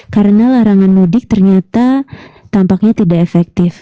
karena larangan mudik ternyata tampaknya tidak efektif